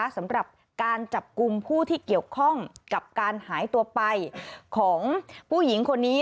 สำหรับการจับกลุ่มผู้ที่เกี่ยวข้องกับการหายตัวไปของผู้หญิงคนนี้